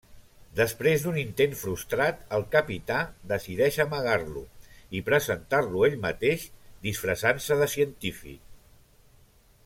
Després d'un intent frustrat, el Capità decideix amagar-lo i presentar-lo ell mateix disfressant-se de científic.